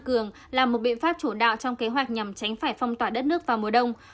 cường là một biện pháp chủ đạo trong kế hoạch nhằm tránh phải phong tỏa đất nước vào mùa đông